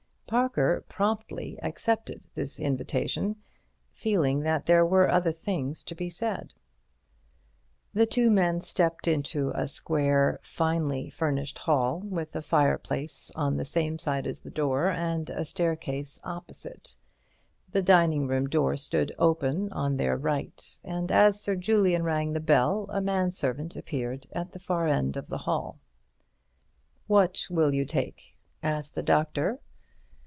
Parker promptly accepted this invitation, feeling that there were other things to be said. The two men stepped into a square, finely furnished hall with a fireplace on the same side as the door, and a staircase opposite. The dining room door stood open on their right, and as Sir Julian rang the bell a man servant appeared at the far end of the hall. "What will you take?" asked the doctor.